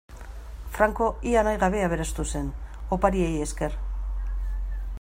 Franco ia nahi gabe aberastu zen, opariei esker.